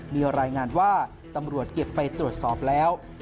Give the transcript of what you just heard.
มีรายงานว่าตำรวจเก็บไปตรวจสอบแล้ว